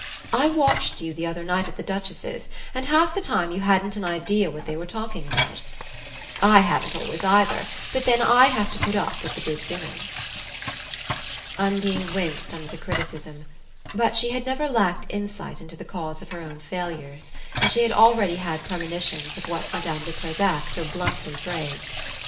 I watched you the other night at the Duchess's, and half the time you hadn't an idea what they were talking about. I haven't always, either; but then I have to put up with the big dinners." Undine winced under the criticism; but she had never lacked insight into the cause of her own failures, and she had already had premonitions of what Madame de Trezac so bluntly phrased.